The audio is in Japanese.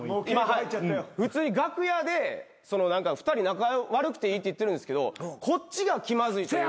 普通に楽屋で２人仲悪くていいって言ってるんですけどこっちが気まずいというか。